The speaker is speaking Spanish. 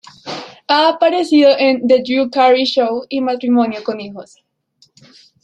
Ha aparecido en "The Drew Carey Show" y "Matrimonio con hijos.